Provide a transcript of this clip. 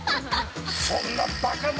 そんなバカな！